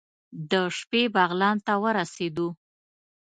د شپې بغلان ته ورسېدو.